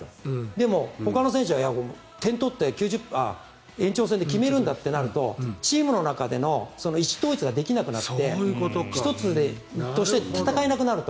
でもほかの選手は、点を取って延長戦で決めるんだってなるとチームの中での意思統一ができなくなって一つとして戦えなくなると。